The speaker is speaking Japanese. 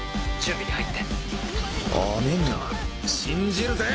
棔信じるぜ！